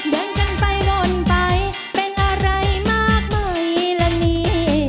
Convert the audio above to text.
เดินกันไปหล่นไปเป็นอะไรมากไหมละนี่